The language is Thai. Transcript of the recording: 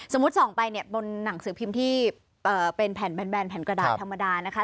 ส่องไปเนี่ยบนหนังสือพิมพ์ที่เป็นแผ่นแบนแผ่นกระดาษธรรมดานะคะ